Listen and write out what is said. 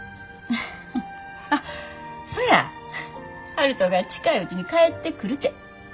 あっそや悠人が近いうちに帰ってくるて。